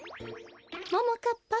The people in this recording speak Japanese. ももかっぱ。